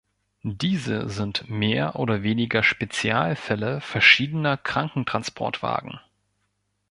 Diese sind mehr oder weniger Spezialfälle verschiedener Krankentransportwagen.